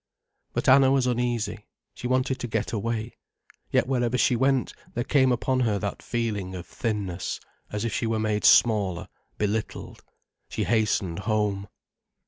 But Anna was uneasy. She wanted to get away. Yet wherever she went, there came upon her that feeling of thinness, as if she were made smaller, belittled. She hastened home.